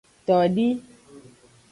Todi.